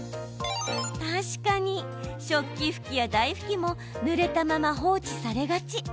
確かに、食器拭きや台拭きもぬれたまま放置されがち。